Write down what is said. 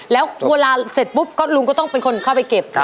แล้วเวลาเสร็จปุ๊บก็ลุงก็ต้องเป็นคนเข้าไปเก็บ